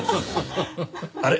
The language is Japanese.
あれ？